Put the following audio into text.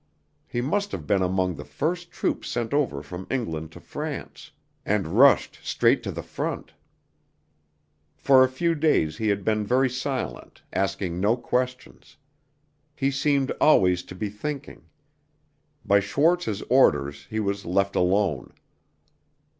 He must have been among the first troops sent over from England to France, and rushed straight to the front. For a few days he had been very silent, asking no questions. He seemed always to be thinking. By Schwarz's orders he was left alone.